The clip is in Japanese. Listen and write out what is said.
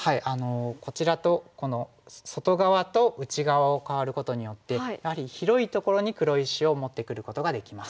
こちらとこの外側と内側を換わることによってやはり広いところに黒石を持ってくることができます。